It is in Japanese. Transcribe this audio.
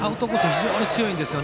非常に強いんですよ。